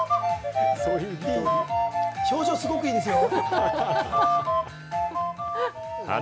表情、すごくいいですよ！